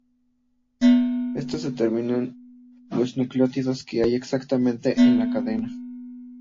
Estos determinan los nucleótidos que hay exactamente en la cadena.